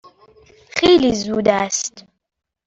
خیلی زود است.